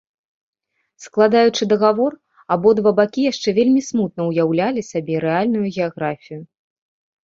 Складаючы дагавор, абодва бакі яшчэ вельмі смутна ўяўлялі сабе рэальную геаграфію.